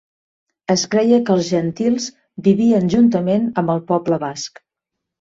Es creia que els jentils vivien juntament amb el poble basc.